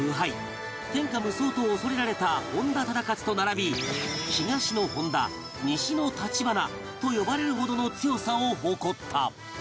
天下無双と恐れられた本多忠勝と並び東の本多西の立花と呼ばれるほどの強さを誇った